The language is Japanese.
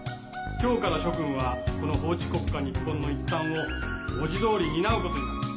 今日から諸君はこの法治国家日本の一端を文字どおり担うことになる。